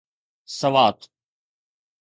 Swat